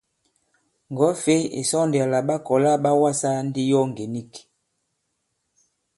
Ŋgɔ̀wɛ-fěy ì sɔ ndi àlà ɓa kɔ̀la là ɓa wasā ndi yo ngè nik.